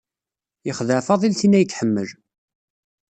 Yexdeɛ Fadil tin ay iḥemmel.